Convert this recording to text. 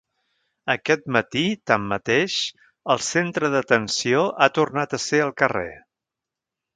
Aquest matí, tanmateix, el centre d’atenció ha tornat a ser al carrer.